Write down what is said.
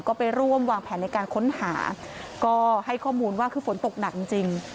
ก็ไปร่วมวางแผนในการค้นหาก็ให้ข้อมูลว่าคือฝนตกหนักจริงจริง